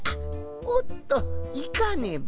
おっといかねば。